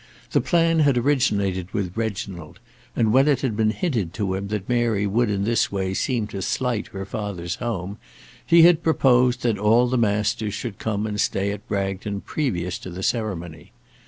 The plan had originated with Reginald, and when it had been hinted to him that Mary would in this way seem to slight her father's home, he had proposed that all the Masters should come and stay at Bragton previous to the ceremony.